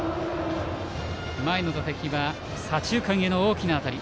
前の打席は左中間への大きな当たり。